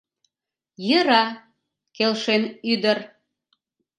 — Йӧра! — келшен ӱдыр.